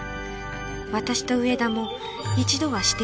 私と上田も一度はしてやられ